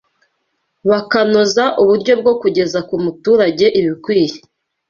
bakanoza uburyo bwo kugeza ku muturage ibikwiye